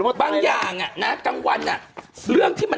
เขาปล่อยผ่านนุ่ม